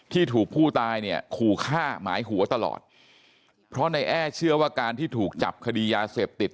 ที่ถูกผู้ตายเนี่ยขู่ฆ่าหมายหัวตลอดเพราะในแอ้เชื่อว่าการที่ถูกจับคดียาเสพติด